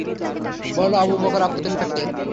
বলো, আবু বকর আবদুল্লাহ কে?